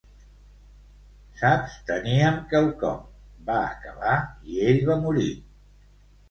Saps, teníem quelcom, va acabar i ell va morir.